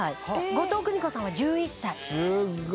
後藤久美子さんは１１歳。